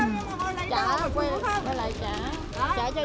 trả trả trả